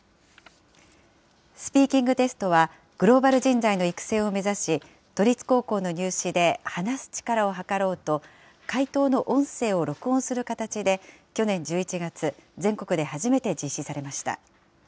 スピーキングテストは、グローバル人材の育成を目指し、都立高校の入試で、話す力をはかろうと、解答の音声を録音する形で、去年１１月、全国で初めて実施されました。